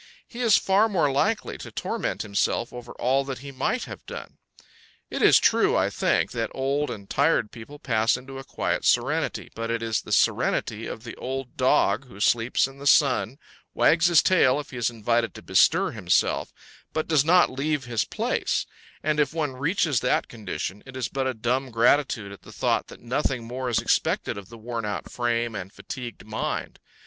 He is far more likely to torment himself over all that he might have done. It is true, I think, that old and tired people pass into a quiet serenity; but it is the serenity of the old dog who sleeps in the sun, wags his tail if he is invited to bestir himself, but does not leave his place; and if one reaches that condition, it is but a dumb gratitude at the thought that nothing more is expected of the worn out frame and fatigued mind.